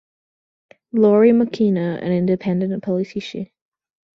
Lawrie McKinna, an independent politician.